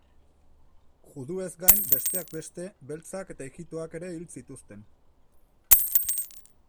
Juduez gain, besteak beste, beltzak eta ijitoak ere hil zituzten.